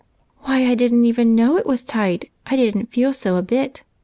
"Why, I didn't know it was tight! it didn't feel so a bit.